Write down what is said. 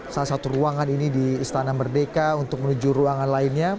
salah satu ruangan ini di istana merdeka untuk menuju ruangan lainnya